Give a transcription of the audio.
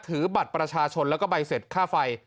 ถือบัตรประชาชนแล้วก็ใบเสร็จค่าไฟ